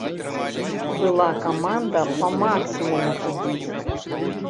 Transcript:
Была каманда па максімуму судзіць.